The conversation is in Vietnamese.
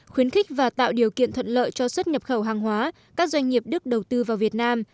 khuyến khích và tạo điều kiện thuận lợi cho xuất nhập khẩu hàng hóa các doanh nghiệp đức đầu tư vào việt nam